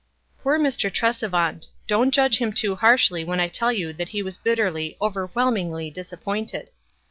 Poor Mr. Tresevant ! Don't judge him too harshly when I tell you that he was bitterly, overwhelmingly disappointed.